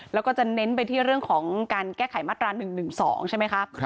แล้วก็จะเน้นไปที่เรื่องของการแก้ไขมาตรา๑๑๒ใช่ไหมคะ